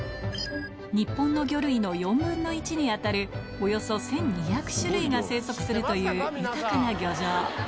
日本の魚類の４分の１に当たる、およそ１２００種類が生息するという豊かな漁場。